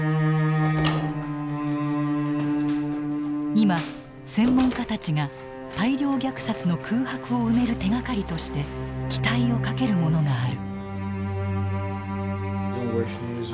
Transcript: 今専門家たちが大量虐殺の空白を埋める手がかりとして期待をかけるものがある。